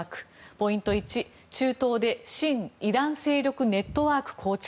ポイント１、中東で親イラン勢力ネットワーク構築。